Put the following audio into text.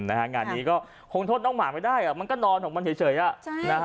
งานนี้ก็คงทดน้องหมาไม่ได้อ่ะมันก็นอนหรอกมันเฉยอ่ะ